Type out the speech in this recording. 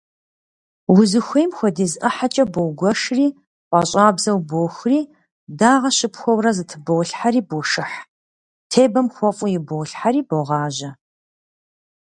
Узыхуейм хуэдиз ӏыхьэкӏэ боугуэшри пӏащӏабзэу бохури, дагъэ щыпхуэурэ зэтыболхьэри бошыхь, тебэм хуэфӏу иболъхьэри богъажьэ.